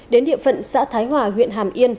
đến địa phận xã thái hòa huyện hàm yên